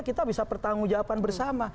kita bisa pertanggung jawaban bersama